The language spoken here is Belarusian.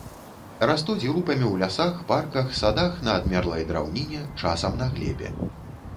Растуць групамі ў лясах, парках, садах на адмерлай драўніне, часам на глебе.